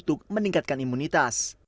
mereka juga meningkatkan imunitas